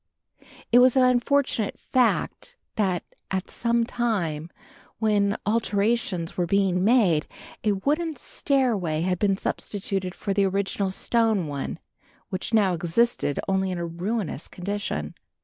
It was an unfortunate fact that at some time, when alterations were being made, a wooden stairway had been substituted for the original stone one, which now existed only in a ruinous condition.